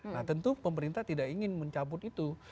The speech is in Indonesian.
nah tentu pemerintah tidak ingin mencabut itu